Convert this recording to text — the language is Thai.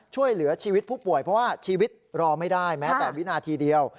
ช่วยเหลือชีวิตผู้ป่วยเพราะว่าชีวิตรอไม่ได้แม้แต่วินาทีเดียว